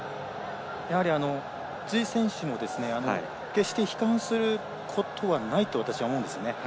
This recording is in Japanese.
やはり、辻選手も決して悲観することはないと私は思うんですね。